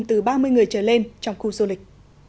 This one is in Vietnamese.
từ ba mươi người trở lên trong khu du lịch